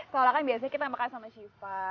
soalnya kan biasanya kita makan sama shiva